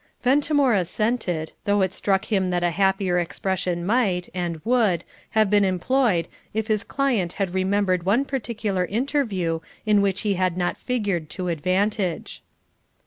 Ventimore assented, though it struck him that a happier expression might, and would, have been employed if his client had remembered one particular interview in which he had not figured to advantage.